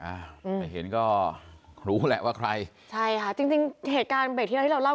ไปเห็นก็รู้แหละว่าใครใช่จริงจริงเหตุการณ์แบบที่เราเล่า